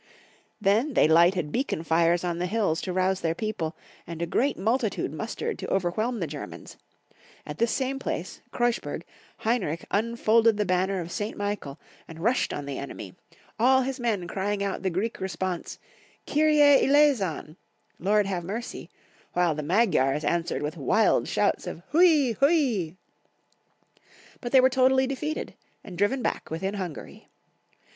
Then they lighted beacon fires on the hills to rouse their people, and a great multi tude mustered to overwhelm the Germans; at this same place, Keuschberg, Heinrich unfolded the ban ner of St. Michael, and rushed on the eneni}", all his men crying out the Greek response, ''^ Kyrie eleison^'*^ "Lord, have mercy," while the Magyars answered with wild shouts of " Hui ! Hui!" but they were totally defeated, and driven back within Hungary.